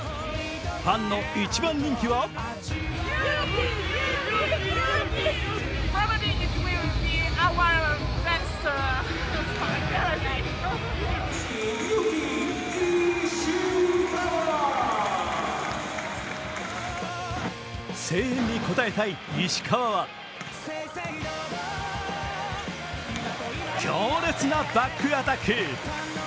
ファンの一番人気は声援に応えたい石川は強烈なバックアタック。